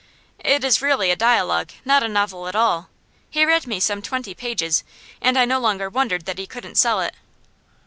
It is really a dialogue, not a novel at all. He read me some twenty pages, and I no longer wondered that he couldn't sell it.